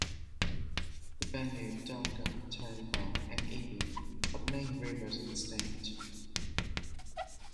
The Benue, Donga, Taraba and Ibi are the main rivers in the state.